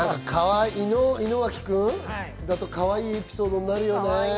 井之脇君だとかわいいエピソードになるよね。